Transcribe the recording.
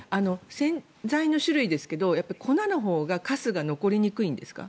洗剤の種類ですけど、粉のほうがかすが残りにくいんですか？